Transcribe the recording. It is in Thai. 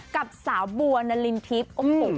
กับสาวบัวนารินทิพย์